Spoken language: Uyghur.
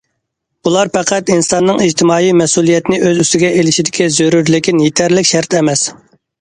بۇلار پەقەت ئىنساننىڭ ئىجتىمائىي مەسئۇلىيەتنى ئۆز ئۈستىگە ئېلىشىدىكى زۆرۈر لېكىن يېتەرلىك شەرت ئەمەس.